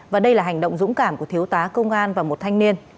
và đây là hành động dũng cảm của thiếu tá công an và một thanh niên